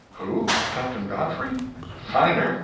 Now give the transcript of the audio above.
"Who? Captain Godfrey?" "Thunder!